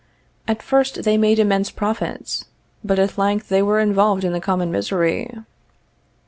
_ At first they made immense profits, but at length they were involved in the common misery.